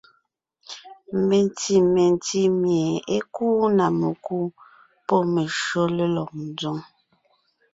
Menti mentí mie é kúu na mekú pɔ́ meshÿó lélɔg ńzoŋ.